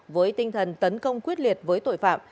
với tinh thần tấn công quyết liệt với tội phạm